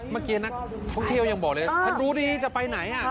เมื่อกี้นักท่องเที่ยวยังบอกเลยฉันรู้ดีจะไปไหน